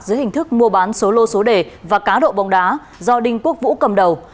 dưới hình thức mua bán số lô số đề và cá độ bóng đá do đinh quốc vũ cầm đầu